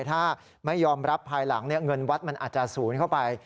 ถ้าไม่ยอมรับภายหลังเงินวัดมันอาจจะศูนย์เข้าไป